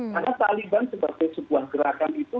karena taliban sebagai sebuah gerakan itu